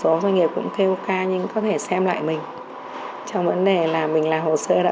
tốt một số doanh nghiệp cũng kêu ca nhưng có thể xem lại mình trong vấn đề là mình làm hồ sơ đã